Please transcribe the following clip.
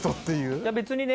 いや別にね